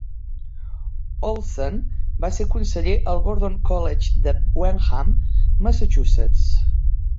Olsen va ser conseller al Gordon College de Wenham, Massachusetts.